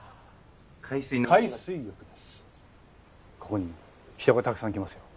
ここに人がたくさん来ますよ。